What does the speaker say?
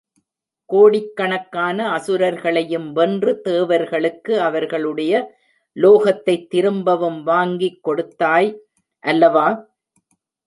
கோடிக் கணக்கான அசுரர்களையும் வென்று, தேவர்களுக்கு அவர்களுடைய லோகத்தைத் திரும்பவும் வாங்கிக் கொடுத்தாய் அல்லவா?